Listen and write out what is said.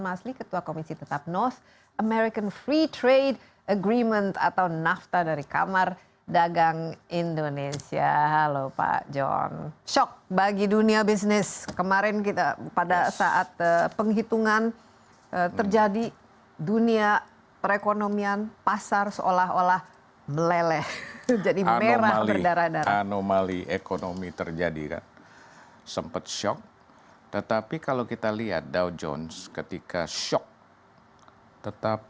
mungkin dari segi politik yang kita lihat selama ini orang melihat dia sebagai devil setan